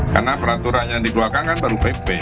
karena peraturan yang dikeluarkan kan baru pp